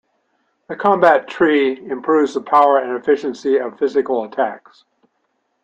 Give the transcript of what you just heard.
The Combat tree improves the power and efficiency of physical attacks.